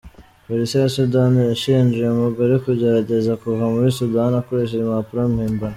Police ya Sudan irashinja uyu mugore kugerageza kuva muri Sudan akoresheje impapuro mpimbano.